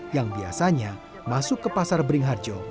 yang biasanya masuk ke pasar bering harjo